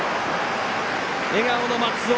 笑顔の松尾。